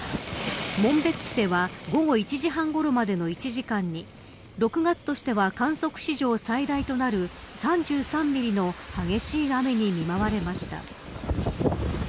紋別市では午後１時半ごろまでの１時間に６月としては観測史上最大となる３３ミリの激しい雨に見舞われました。